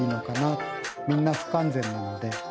みんな不完全なので。